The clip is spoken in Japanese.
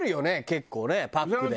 結構ねパックで。